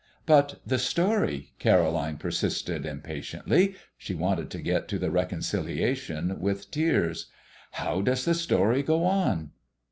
"But the story," Caroline persisted impatiently she wanted to get to the reconciliation with tears. "How does the story go on?"